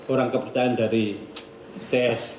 orang kepertaan dari ts